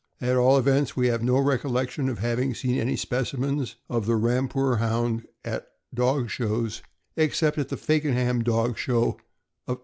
At all events, we have no recollection of having seen any specimens of the Rampur Hound at our dog shows, except at the Fakenham Dog Show of 1876.